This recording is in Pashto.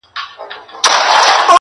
مور بې وسه ده او د حل لاره نه ويني,